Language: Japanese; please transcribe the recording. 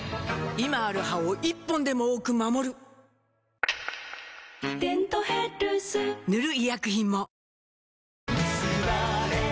今ある歯を１本でも多く守る「デントヘルス」塗る医薬品も